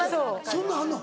そんなんあんの？